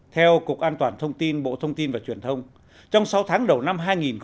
theo cục an toàn thông tin bộ thông tin và truyền thông trong sáu tháng đầu năm hai nghìn một mươi chín